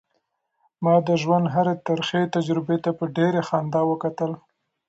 ما د ژوند هرې ترخې تجربې ته په ډېرې خندا وکتل.